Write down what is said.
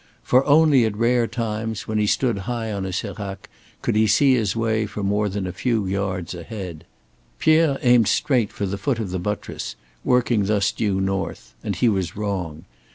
For, only at rare times, when he stood high on a sérac, could he see his way for more than a few yards ahead. Pierre aimed straight for the foot of the buttress, working thus due north. And he was wrong.